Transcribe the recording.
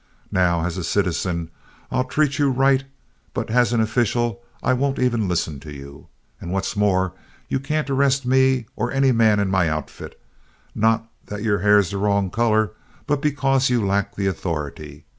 Now, as a citizen, I'll treat you right, but as an official, I won't even listen to you. And what's more, you can't arrest me or any man in my outfit; not that your hair's the wrong color, but because you lack authority.